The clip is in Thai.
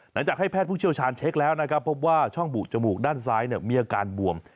หลังจากให้แพทย์ผู้เชี่ยวชาญเช็คแล้วนะครับพบว่าช่องบุจมูกด้านซ้ายมีอาการบวม